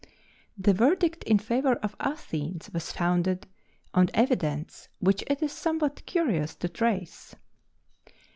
The verdict in favor of Athens was founded on evidence which it is somewhat curious to trace.